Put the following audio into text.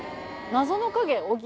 謎の影？